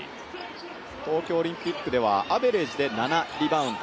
東京オリンピックではアベレージで７リバウンド。